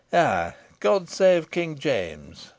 "Ay, God save King James!"